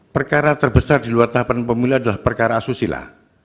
perkara terbesar di luar tahapan pemilu adalah perkara asusila